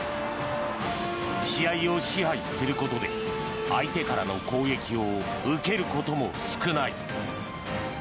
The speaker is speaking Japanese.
試合を支配することで相手からの攻撃を受けることも数少ない。